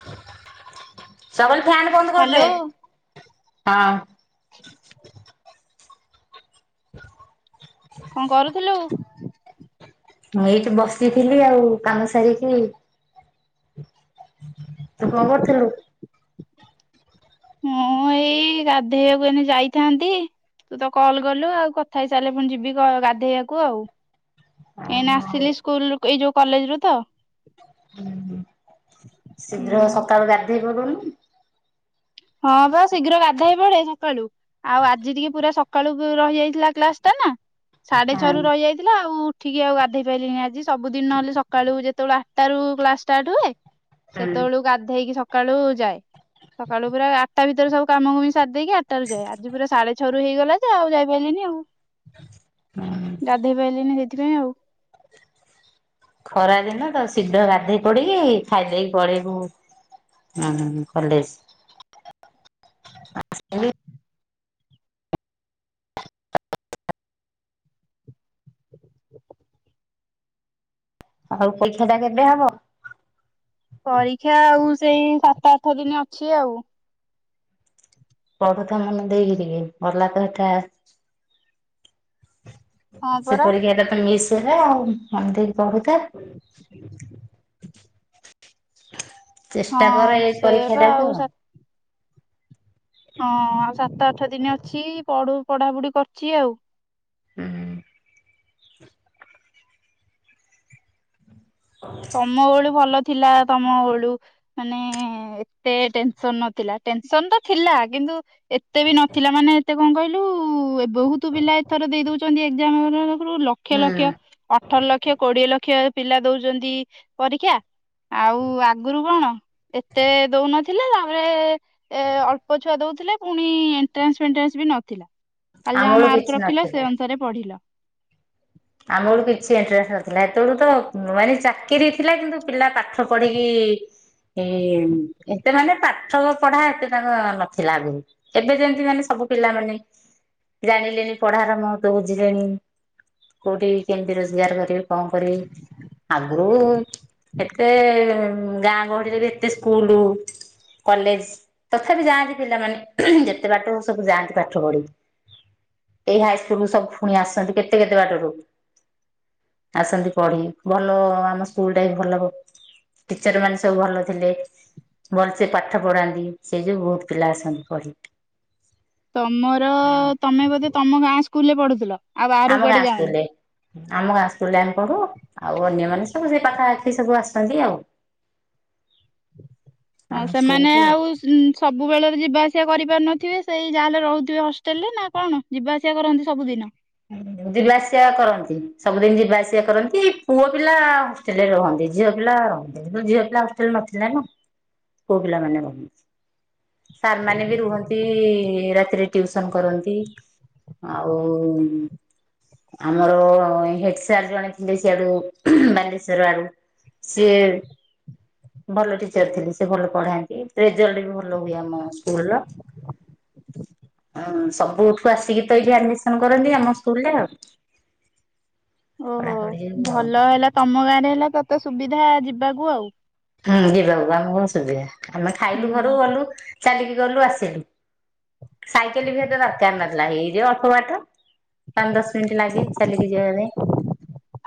[unintelligible] ସବଳେ fan ବନ୍ଦ hello କରିଦେ ହଁ। କଣ କରୁଥିଲୁ? ମୁଁ ଏଇଠି ବସିଥିଲି ଆଉ କାମ ସାରିକି। ତ କଣ କରଥିଲୁ? ମୁଁ [inaudible] ଏଇ ରାଧେଇବାକୁ ଏ ଯାଇଥାନ୍ତି। ତୁ ତ କଲ କଲୁ ଆଉ କଥା ହେଇ ସାରିଲେ ପୁଣି ଯିବି ଗାଧେଇବାକୁ ଆଉ। ଏ ଆଉ ଆସିଲି ସ୍କୁଲ ଏଇ ଯୋଉ କଲେଜ ରୁ ତ। ହୁଁ ହୁଁ ଶୀଘ୍ର ସକାଳୁ ଗାଧେଇପଡୁନୁ? ହଁ ବାସ ଶୀଘ୍ର ଗାଧୋଇ ହେଇ ପଡେ ସକାଳୁ। ଆଉ ଆଜି ଟିକେ ପୁରା ସକାଳୁ ରହି ଯାଇଥିଲା କ୍ଲାସ ଟା ନା ସାଢେ ଛଅ ହଁ ରୁ ରହି ଯାଇଥିଲା ଆଉ ଠିକେ ଆଉ ଗାଧେଇ ପାରିଲିନଣିି ଆଜି ସବୁଦିନ ନହଲେ ସକାଳୁ ଯେତେବେଳେ ଆଠଟ ରାରୁ କ୍ଲାସ ଷ୍ଟାର୍ଟ ହୁଏ। ହୁଁ। ସେତେବେଳକୁ ଗାଧେଇକି ସକାଳୁ ଯାଏ। ସକାଳୁ ପୁର ଆଠଟା ଭିତରେ ସବୁ କାମ କମି ସାରି ଦେଇକି ଆଠଟ ର ଯାଏ ଆଜି ପୁରା ସାଢେ ଛଅ ର ହେଇଗଲା ଯେ ଆଉ ଯାଇାରିଲିନି ଆଉ। [inaudible] ଗାଧୋଇ ପଲିନି ସେଇଥିପାଇଁ ଆଉ। ଖରା ଦିନ ତ ଶିଧ ଗାଧେଇ ପଡିକି ଖାଇଦେଇକି ପଡେଇବୁ। ହୁଁ ହ କଲେଜ। [unintelligible] ଆଉ ପରିକ୍ଷାଟା କେବେ ହବ? ପରୀକ୍ଷା ଆଉ ସେଇ ସାତ ଆଠ ଦିନ ଅଛି ଆଉ। ପଢୁଥା ମନେ ଦେଇକି ଟିକ ଗଲା ତ ଏଟା। ହଁ ପରା ସେପରିକି ମିଶଲା ଆଉ ଏମିତିି କର। [inaudible] ହଁ ଚେଷ୍ଟା କର ଏଇ ପରୀକ୍ଷା ସେୟାପା ଟା ତ। ଆଉ ସା ହଁ ସାତ ଆଠ ଦିନ ଅଛି ପଢ ପଢାପଢି କରିଛି ଆଉ। ହୁଁ। ତମ ଭଳି ଭଲ ଥିଲା ତମ ବଳୁ ମାନେ ଏତେ ଟେନସନ ନଥିଲା ଟେନସନ ତ ଥିଲା କି। କିୁ ଏତେ ବି ନଥିଲା ମାନେ ଏତେ କଣ କହିଲୁ? ଏ ବହୁତ ପିଲା ଏଥର ଦେଇ ଦଉଛନ୍ତି ଏକ୍ଜାମର। ଆରୁ ଲକ୍ଷ ହୁଁ ଲକ୍ଷ ଅଠର ଲକ୍ଷ କୋଡିଏ ଲକ୍ଷ ପିଲା ଦଉଛନ୍ତି ପରୀକ୍ଷା। ଆଉ ଆଗରୁ କଣ ଏତେ ଦଉନ? ଥିଲା ତାରେ ଏ ଅଳ୍ପ ଛୁଆ ଦଉଥିଲେ। ପୁଣି ଏଣ୍ଟ୍ରାନ୍ସ ଫେଟ୍ରାନ୍ସ ବି ନଥିଲା ଖାଲି ଆମ ଯାହା ବେଳୁ ମାର୍କ କିଛି ରଖିଲ ସେ ନଥିଲା। ଅନୁସାରେ ପଢିଲ। ଆମ ବଳୁ କିଛି ଏଣ୍ଟ୍ରାନ୍ସ ନଥିଲା ଏତେବେଳୁ ତ ମାନେ ଚାକିରି ଥିଲା କିନ୍ତୁ ପିଲା ପାଠ ପଢିକି। [unintelligible] ଏ ଏତେ ମାନେ ପାଠ ପଢା ଏତେ ତାଙ୍କ ନଥିଲା ବି ଏବେ ଯେମିତି ମାନେ ସବୁ। ସବୁ ପିଲାମାନେ ଜାଣିଲେଣି ପଢାର ମହତ୍ଵ ବୁଝିଲେଣି। କୋଉଠି କେମତି ରୋଜଗାର କରିବି କଣ କରିବି ଆଗରୁ ଏତେ ଗାଁ ଗହଳିରେ ବି ଏତେ ସ୍କୁଲ କଲେଜ ତଥାପି ଯାଆନ୍ତି ପିଲାମାନେ ଯେତେ ବାଟ ସବୁ ଯାଆନ୍ତି ପାଠ ପଢି। ଏଇ ହାଇ ସ୍କୁଲ ରୁ ସବୁ ପୁଣି ଆସିୁଛନ୍ତି କେତେ କେତେ ବାଟରୁ। ଆସନ୍ତି ପଢି ଭଲ ଆମ ସ୍କୁଲ ଟା ବି ଭଲ ଟିଚରମାନେ ସବୁ ଭଲ ଥିଲେ। ଭଲସେ ପାଠ ପଢାନ୍ତି। ସେ ଯୋଉୁ ବହୁତ ପିଲା ଆସନ୍ତି ପଢି। ତମର ତମେ ବୋଧେ ତମ ଗାଁ ସ୍କୁଲରେ ପଢୁଥିଲ। ଆଉ ବାହାର ଆମ କୁଆଡେ ଗାଁ ଯାଉନି। ସ୍କୁଲରେ। ଆମ ଗାଁ ସ୍କୁଲ୍ ରେ ଆମେ ପଢୁ ଆଉ ଅନ୍ୟମାନେ ସବୁ ଯିଏ ପାଖା ପାଖି ସବୁ ଆସନ୍ତି ଆଉ। ଆମ ହଁ ସେମାନେ ସ୍କୁଲକୁ ଆଉ ଉ ସବୁବେଳରେ ଯିବା ଆସିବା କରିପାରୁନଥିବେ। ସେଇ ଯାହାଲେ ରହୁଥିବେ ହଷ୍ଟେଲରେ ନା କଣ ଯିବା ଆସିବା କରନ୍ତି ସବୁଦିନ। ହୁଁ। ଯିବା ଆସିବା କରନ୍ତି। ସବୁଦିନି ଯିବାଆସିବା କରନ୍ତି ପୁଅ ପିଲା ହଷ୍ଟେଲ ରେ ରହନ୍ତି। ଝିଅ ପିଲା ର ଝିଅ ପିଲା ହଷ୍ଟଲ ନଥିଲା ନା ପୁଅ ପିଲାମାନେ ରହୁନ୍ତି। ସାରମାନେ ବି ରୁହନ୍ତି ରାତି ରେ ଟିୟୁସନ କରନ୍ତି। ଆଉ ଆମର ହେଡ ସାର୍ ଜଣେ ଥିଲେ ସିଆଡୁ ବାଲେଶ୍ଵର ଆଡୁ ସେ ଭଲ ଟିଚର ଥିଲି। ସେ ଭଲ ପଢାନ୍ତି। ରେଜଲଟ ବି ଭଲ ହୁଏ ଆମ ସ୍କୁଲର। ହଁ ସବୁଠୁ ଆସିକି ତ ଏଠି ଆଡମିସନ କର ରନ୍ତି ଆମ ସ୍କୁଲ ରେ ଆଉ। ଓହୋ। ପଢାପଢି ଆଉ। ଭଲ ହେଲା ତମ ଗାଁରେ ହେଲା ତତେ ସୁବିଧା ଯିବାକୁ ଆଉ। ହୁଁ ଯିବାକୁ ଆମେ କଣ ସୁୁବିଧା ଆମେ ଖାଇଲୁ ହୁଁ। ଘରକୁ ଗଲୁ। ଚାଲିକି ଗଲୁ, ଆସିଲୁ। ସାଇକେଲ ବି ଏତେ ଦରକାର ନଥିଲା ଏଇଯେ ଅଳ୍ପ ବାଟ। ପାଞ୍ଚ ଦଶ ମିନିଟ ଲାଗେ ଚାଲିକି ଯିବା ପାଇଁ।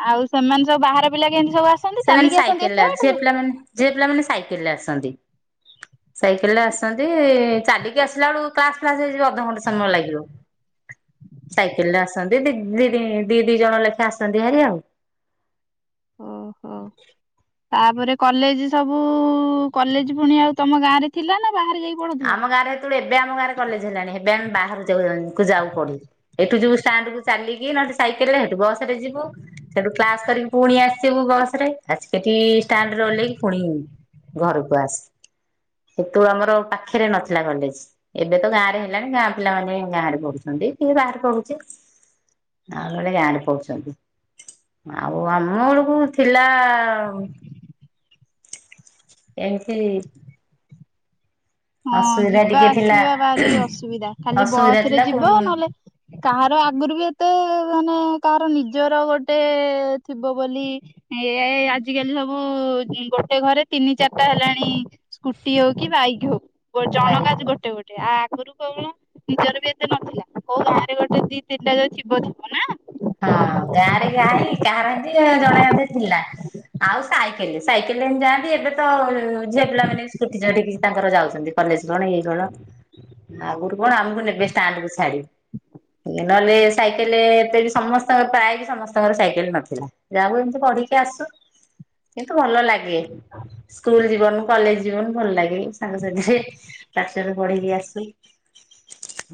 ଆଉ ସେମାନେ ସବୁ ବାହାର ପିଲା କେମିତି ସବୁ ଆସନ୍ତି ସେମାନେ ଚାଲିକି ଆସନ୍ତି ସାଇକେଲରେ ଏତେ ଝିଅ ବାଟରୁ? ପିଲାମାନେ ଝିଅ ପିଲାମାନେ ସାଇକେଲରେ ଆସନ୍ତି। ସାଇକେଲରେ ଆସନ୍ତି। ଚାଲିକି ଆସିଲା ବେଳୁ କ୍ଲାସ ଫ୍ଲାସ ହେଇଯିବ ଅଧଘନ୍ଟେ ସମୟ ଲାଗିବ। [inaudible] ସାଇକେଲରେ ଆସନ୍ତି। ଦି ଦି ଦି ଦି ଜଣ ଲେଖା ଆସନ୍ତି ହରିଆଉ। ଓହୋ। ତାପରେ କଲେଜ ସବୁ କଲେଜ ପୁଣି ଆଉ ତମ ଗାଁ ରେ ଥିଲା ନା ବାହାରେ ଯାଇକି ପଢୁଥିଲ? ଆମ ଗାଁରେ ହେତେବେଳକୁ ଏବେ ଆମ ଗାଁରେ କଲେଜ ହେଲାଣି ହେବେ ଆମେ ବା ହରକୁ ଯାଉ ପଢି ଏଠୁ ଯିବୁ ଷ୍ଟାଣ୍ଡକୁ ଚାଲିକି ନହଲେ ସାଇକେଲରେ ହେଠୁ ବସ ରେ ଯିବୁ। ସେଠୁ କ୍ଲାସ କରିକି ପୁଣି ଆସିବୁ ବସରେ। ଆସିକି ଏଠି ଷ୍ଟାଣ୍ଡ ରେ ଓହ୍ଲେଇକି ପୁଣି ଘରକୁ ଆସୁ। ସେଠୁ ଆମର ପା ଖରେ ନଥିଲା କଲେଜ ଏବେ ତ ଗାଁ ରେ ହେଲାଣି ଗାଁ ପିଲାମାନୋନ ଗାଁରେ ପଢୁଛନ୍ତି କିଏ ବାହାରେ ପଢୁଛି। ଆଙ୍ଗଳେ ପଢ଼ୁଚନ୍ତି। ଆଉ ଆମ ବେଳକୁ ଥିଲା ଏମିତି ହଁ ଅସୁବିଧା ଯିବା ଟିକେ ଥିଲା ଆସିବା ଭାରି ଅସୁବିଧା ଖାଲି ଅସୁବିଧା ବସରେ ଥିଲା ଯିବ, ନହେଲେ କାହାର ଆଗରୁ ବି ଏତେ ମାନେ ତାର ନିଜର ଗୋଟେ ଥିବ ବୋଲି ଏଇ ଆଜିକାଲି ସବୁ ଗୋଟେ ଘରେ ତିନି ଚାରିଟା ହେଲାଣି ସ୍କୁଟି ହଉ କି ବାଇକ ହଉ। ଜଣ ଭାଇ କା ଆ ହଁ ଗୋଟେ ଗୋଟେ। ଆ ଆଗରୁ କଣ ନିଜର ବି ଏତେ ନଥିଲା। କୋଉ ଗାଁ ରେ ଗୋଟେ ଦି ତିନିଟା ଯଦି ଥିବ ଥିବ ନା? ହଁ ଗାଁରେ ଗାଇ କାହାର ହେମିତି ଜଣେ ଅଧେ ଥିଲା। ଆଉ ସାଇକେଲରେ ସାଇକେଲରେ ହଁ ଯାଆନ୍ତି। ଏବେ ତ ଝିଅ ପିଲାମାନେନ ବି ସ୍କୁଟି ଚଲେଇକି ତାଙ୍କର ଯାଉଚନ୍ତି। କଲେଜ କଣ ଏଇ କଣ। ଆଗରୁ କଣ ଆମକୁ ନେବେ ଷ୍ଟାଣ୍ଡକୁ ଛାଡି, ନହେଲେ ସାଇକେଲରେ ଏତେ ବି ସମସ୍ତଙ୍କ ପ୍ରାୟ ବି ସମସ୍ତଙ୍କର ସାଇକେଲ ନଥିଲା। ଯାହାକୁ ଏମତି ପଢିକି ଆସୁ। କିନ୍ତୁ ଭଲ ଲାଗେ ସ୍କୁଲ ଯିବନ, କଲେଜ ଯିବନ ଭଲ ଲାଗେ ସାଙ୍ଗସାଥିରେ। ପାଠ ସାଠ ପଢେଇକି ଆସୁ।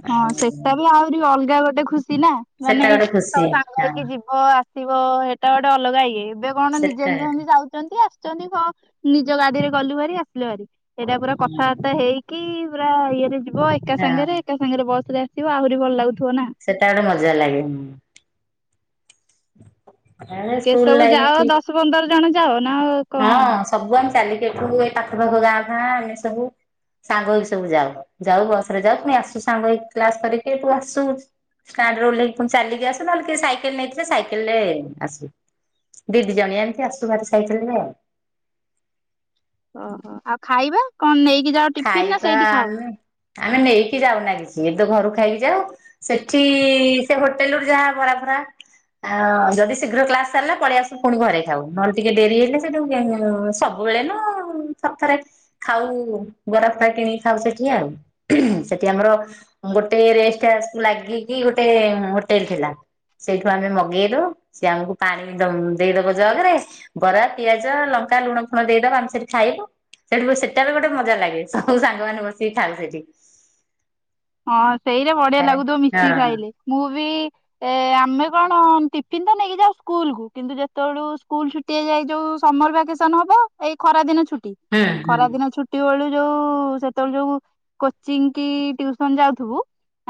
ଆଉ ହଁ ସେଟା ବି ଆହୁରି ଅଲଗା ଗୋଟେ ଖୁସି ନା। ସେଟା ମାନେ ଗୋଟେ ଖୁସି ସବୁ ସାଙ୍ଗ ହଁ ହେଇକି ଯିବ ଆସିବ ହେଇଟା ଗୋଟେ ଅଲଗା ଇଏ। ଏବେ କଣ ନିଜେ ସେଟା ନିଜ ଯାଉଛନ୍ତି ଆସୁଛନ୍ତି କଣ ନିଜ ଗାଡିରେ ଗଲୁ ହେରି ଆସିଲେ ହେରି। ସେଇଟା ପୁରା ହୁଁ କଥାବାର୍ତ୍ତା ହେଇକି ପୁରା ଇଏରେ ଯିବ ଏକା ହଁ ସାଙ୍ଗରେ। ବସ୍ ରେ ଆସିବ ଆହୁରି ଭଲ ଲାଗୁ ସେଟା ଗୋଟେ ମଜା ଲାଗେ ହୁଁ। କେ ସ୍କୁଲ ସବୁ ଲାଇଫ ଯାଅ କି ଦଶ ପନ୍ଦର ଜଣ ଯାଅ ନା କଣ? ହଁ ସବୁ ଆମେ ଚାଲିକି ଏଠୁ ଏ ପାଖ ପାାଖ ଗାଁ ଗାଁ ଆମେ ସବୁ ସାଙ୍ଗ ହୋଇ ସବୁ ଯାଉ ଯାଉ ବସ ରେ ଯାଉ ପୁ ଆସୁ ସାଙ୍ଗଇ କ୍ଲାସ କରିକି ତୁ ଆସୁ ଷ୍ଟ ଓ୍ଇକି ପୁଣି ଚାଲିକି ଆସୁ ନହେଲେ କି ସାଇକେଲ ନେଇଥିଲେ ସାଇକେଲ ରେ ଆସିବେ। ଦିଦି ଜଣ ଏଣିିତି ଆସୁ ଭାତ ଖାଇଥିଲେ ଆଉ। ଓହୋ ଆଉ ଖାଇବା କଣ ନେଇକି ଯାଅ ଟିଫିନ ନା ଖାଇବା ସେଇଠି ଖାଅ? ଆମେ ଆମେ ନେଇକି ଯାଉନା କିଛି। ସିଏ ତ ଘରୁ ଖାଇକି ଯାଉ ସେଠି-ଇ-ଇ ସେ ହୋଟେଲରୁ ଯାହା ବରା ଫରା। ଆ-ଆ-ଆ ଯଦି ଶୀଘ୍ର କ୍ଲାସ ସାରିଲା ପଳେଇ ଆସୁ ପୁଣି ଘରେ ଖାଉ ନହେଲେ ଟିକେ ଡେରି ହେଇଲେ ସେଠୁ ଉ-ଉ-ଉ-ଉ ସବୁ ବଳେ ନ ଥରେ ଥରେ ଖାଉ। ବରା ଫରା କିଣିକି ଖାଉ ସେଠି ଆଉ। ସେଠି ଆମର ଗୋଟେ ରେଷ୍ଟ ଆ ଲାଗିକି ଗୋଟେ ହୋଟେଲ ଥିଲା। ସେଇଠୁ ଆମେ ମଗେଇଲୁ ସେ ଆମକୁ ପାଣି ଦେ ଦେଇଦବ ଜଗ ରେ ବରା ପିଆଜ ଲ ଙ୍କା ଲୁଣ ଫୁଣ ଦେଇଦବ ଆମେ ସେଠି ଖାଇବୁ ସେଠ ସେତେବେଳେ ଗୋଟେ ମଜା ଲାଗେ। ସବୁ ସାଙ୍ଗ ମାନେ ବସିକି ଖାଉ ସେଠି। ହଁ ସେଇଟା ବଢିଆ ହଁ ଲାଗୁଥିବ ମିଶିକି ଖାଇଲେ, ମୁଁ ବି ଏ ଆମେ କଣ ଟିଫିନ ତ ନେଇକି ଯାଉ ସ୍କୁଲ କୁ, କିନ୍ତୁ ଯେତେବେଳୁ ସ୍କୁଲ ଛୁଟି ହେଇଯାଏ ଯୋଉ ସମର ଭାକେସନ ହବ ଏଇ ଖରା ଦିନ ଟି ହୁଁ ହୁଁ ଖରା ଦିନ ଛୁଟି ବେଳୁ ଯୋଉ ସେତେବେଳେ ଯୋଉ କୋଚିଂ କି ଟିଉ ହଁ ଯାଉଥିବୁ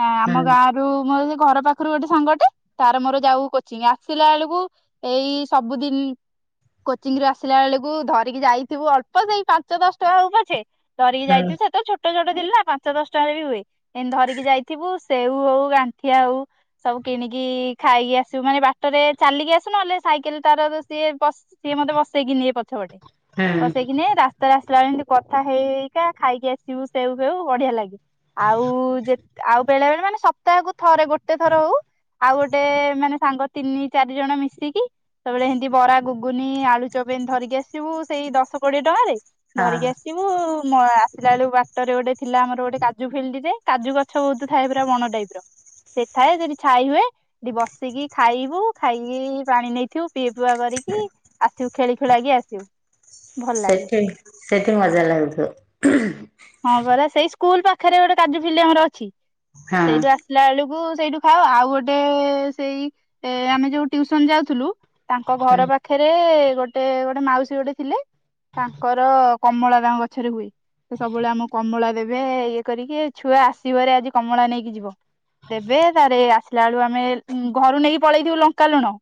ଆମ ହୁଁ ଗାଁରୁ ମ ଘର ପାଖରୁ ଗୋଟେ ସାଙ୍ଗଟେ ତାର ମୋର ଯାଉ କୋଚିଂ ଆସିଲା ବେଳକୁ ଏଇ ସବୁଦିନ କୋଚିଂ ରୁ ଆସିଲା ବେଳକୁ ଧରିକି ଯାଇଥିବୁ ଅଳ୍ପ ସେଇ ପାଞ୍ଚ ଦଶ ଟଙ୍କା ହ ପଛେ କରିକି ହୁଁ ଯାଇଥିବୁ ସେତେବେଳେ ଛୋଟ ଛୋଟ ଥିଲୁ ନା ପାଞ୍ଚ ଦଶଟଙ୍କାରେ ବି ହୁଏ। ଏତି ଧରିକି ଯାଇଥିବୁ ସେଉ ହଉ ଗାଣ୍ଠିଆ ହଉ ସବୁ କିଣିକି ଖାଇକି ଆସିବୁ ମାନେ ବାଟ ରେ ଚାଲିକି ଆସୁ ନହେଲେ ସାଇକେଲ ତାରରେ ସିଏ ତ ସିଏ ମତେ ବସେଇକି ଏ ପଛପଟେ ହୁଁ ବସେଇକି ନିଏ ରା ତେବେଳ ଆସିଲା ବେଳେ ଏମିତି କଥା ହେଇକା ଖାଇକି ଆସିବୁ ସେଉ ଫେଉ ବଢିଆ ଲାଗେ ଆଉ। ଆଉ ଯେତ୍ ଆଉ ବେଳେ ବେଳେ ମାନେ ସପ୍ତାହକୁ ଥରେ ଗୋଟେ ଥର ହଉ ଆଉ ଗୋଟେ ମାନେ ସାଙ୍ଗ ତିନି ଚାରି ଜଣ ମିଶିକି ସେବଳେ ଏମତି ବରା ଗୁଗୁନି ଆଳୁ ଚପ ଏ ଧରିକି ଆସିବୁ ସେଇ ଦଶ କୋଡିଏ ଟଙ୍କାରେ? ଧରିକି ହଁ। ଆସିବୁ ଆସିଲା ବେଳକୁ ବାଟରେ ଗୋଟେ ଥିଲା ଆମର ଗୋଟେ କାଜୁ ଫିଲ୍ଡି ଯେ କାଜୁ ଗଛ ବହୁତ ଥାଏ ପୁରା ବଣ ଟାଇପ ର ସେଠଏ ସେଠି ଛାଇ ହୁଏ ସେଠି ବସିକି ଖାଇବୁ ଖାଇକି ପାଣି ନେଇଥିବୁ ପିଇବୁ ଆ କରିକି ଆସିବୁ ଖେଳି ଖେଳା କି ଆସିବୁ। ଭଲ ଲାଗେ। ସେଠି ସେଠି ମଜା ଲାଗଛୁ। ହଁ ପରା ସେଇ ସ୍କୁଲ ପାଖରେ ଗୋଟେ କାଜୁ ଫିଲ୍ଡି ଆମର ଅଛି ସେଇଠୁ ହଁ। ଆସିଲା ବେଳକୁ ସେଇଠୁ ଖାାଉ ଆଉ ଗୋଟେ ସେଇ ଏ ଆମେ ଯୋଉ ଟୁସନ ଯାଉଥିଲୁ। ତାଙ୍କ ଘର ପାଖରେ ଗୋଟେ ଗୋଟେ ମାଉସୀ ଗୋଟେ ଥିଲେ ତାଙ୍କର କମଳା ଗାଁ ଗଛରେ ହୁଏ। ସେ ସବୁବେଳେ ଆମକୁ କମଳା ଦେବେ ଇଏ କରିକି ଛୁଆ ଆସିବରେ ଆଜି କମଳା ନେଇକି ଯିବ। ଦେବେ ତାରେ ଆସିଲା ବେଳୁ ଆମେ ଘରୁ ନେଇକି ପଳେଇଥିବୁ ଲଙ୍କା ଲୁଣ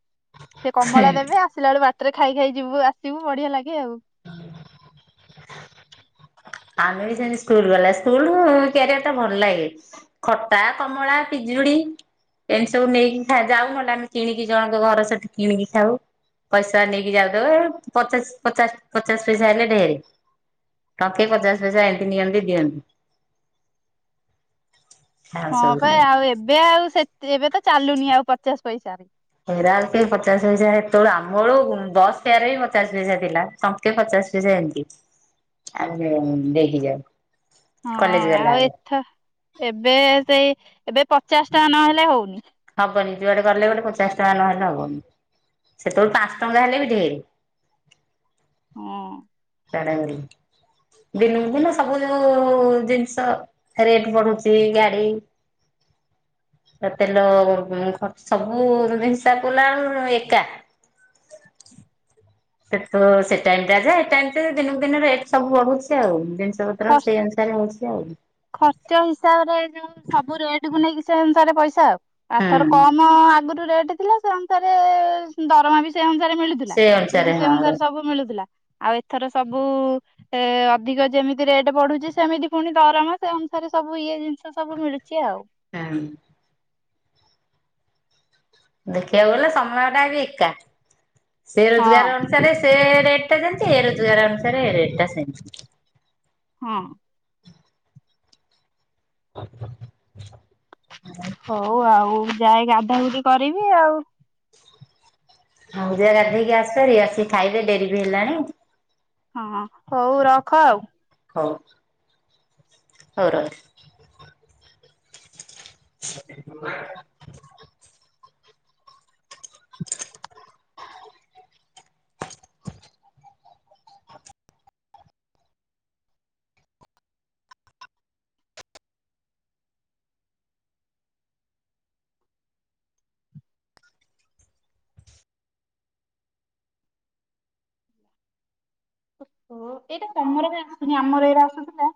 ସେ ହୁଁ କମଳା ଦେବେ ଆସିଲା ବେଳୁ ବାଟରେ ଖାଇ ଖାଇ ଯିବୁ ଆସିବୁ ବଢିଆ ଲାଗେ ଆଉ। ହୁଁ ଆମେ ବି ସେମତି ସ୍କୁଲ ଗଲା। ସ୍କୁଲ କ୍ୟାରିୟର ଟା ଭଲ ଲାଗେ ଖଟା, କମଳା, ପି ଜୁଳି ଏମିତି ସବୁ ନେଇକି ଯାଉ ନହେଲେ ଆମେ କିଣିକି ଜଣଙ୍କ ଘର ସେଠି କିଣିକି ଖାଉ। ପଇସା ନେଇକି ଯାଉଦବେ ପଚାଶ ପଚାଶ ପଚାଶ ପଇସା ହେଲେ ଢେରେ। ପଚାଶ ପଇସା ଏମିତି ନିଅନ୍ତି ଦିଅନ୍ତି। ଆଉ ହଁ ସବୁ ପା ଆଉ ଏବେ ଆଉ ସେ ତ ଏବେ ତ ଚାଲୁନି ଆଉ ପଚାଶ ପଇସାରେ। ଫେରା ସେ ପଚାଶ ପଇସା ସେତେବେଳୁ ଆମଳୁ ବସ ଫେୟାର ବି ପଚାଶ ପଇସା ଥିଲା ସଙ୍କେ ପଚାଶ ପଚାଶ ପଇସା ଏମିତି ଆଉ ଆମେ ନେଇକି ଯାଉ। ହଁ କଲେଜ ଗଲା ଆଉ ବେଳେ ଏଥ ଏବେ ସେଇ ଏବେ ପଚାଶ ଟଙ୍କା ନହେଲେ ହଉନି। ହବନି ଯୁଆଡେ ଗଲେ ଗୋଟେ ପଚାଶ ଟଙ୍କା ନହେଲେ ହବନି ସେତେବେଳେ ପାଞ୍ଚ ଟଙ୍କା ହେଲେ ବି ଢେରେ। ହଁ। ତାଡାଗଲି ଦିନ କୁ ଦିନ ସବୁ ଯୋଉଁ-ଉ-ଉ-ଉ-ଉ ଜିନିଷ ରେଟ୍ ବଢୁଛି ଗାଡି ତ ତେଲ-ଅ-ଅ ଉ ଖର୍ଚ୍ଚ ସବୁ ହିସାବ କଲା ବେଳକୁ ଏକା। ସେ ତ ସେ ଟାଇମ ଟା ଯେ ଏ ଟାଇମ ଟା ଦିନକୁ ଦିନ ରେଟ୍ ସବୁ ବଢୁଛି ଆଉ ଜିନି ଷ ଖ ପତ୍ର ସେଇ ଅନୁସାରେ ହଉଛି ଆଉ। ଖର୍ଚ୍ଚ ହିସାବରେ ଯୋଉ ସବୁ ରେଟ କୁ ନେଇକି ସେ ଅନୁସାରେ ପଇସା। ଆଉଥର ହୁଁ କମ ଆଗରୁ ରେଟ ଥିଲା ସେ ଅନୁସାରେ-ଏ-ଏ-ଏ ଦରମା ବି ସେ ଅନୁସାରେ ମିଳୁଥିଲା ସେ ଇଏ ବି ସେ ହଁ ଅନୁସାରେ ସବୁ ମିଳୁଥିଲା ଆଉ ଥର ସବୁ-ଉ-ଉ-ଉ ଏ-ଏ ଅଧିକ ଯେମିତି ରେଟ୍ ବଢୁଛି ସେମିତି ପୁଣି ଦରମା। ସେ ଅନୁସାରେ ସବୁ ଇଏ ଜିନିଷ ସବୁ ମିଳୁଛି ଆଉ। ହୁଁ। ଦେଖିବାକୁ ଗଲେ ସମୟଟା ବି ଏକା। ସେ ରୋଜଗାର ହଁ ଅନୁସାରେ ସେ ରେଟ୍ ଟା ଯେମିତି ଏ ରୋଜଗାର ଅନୁସାରେ ଏ ରେଟ୍ ଟା ସେମିତି। ହଁ। ହଉ ଆଉ ଯାାଇ ଗାଧା ଗୁଧି କରିବି ଆଉ ହଉ ଯ ଗାଧେଇକି ଆସିପାରି ଆସିକି ଖାଇବେ ଡେରି ବି ହେଲାଣି ହଁ ହଉ ରଖ ଆଉ ହଉ ହଉ ରହ ଏଇଟା ତମର ବି ଆସୁନି ଆମର ଏଇରେ ଆସୁଥିଲା